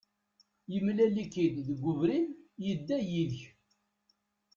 Yemlal-ik-id deg ubrid, yedda yid-k.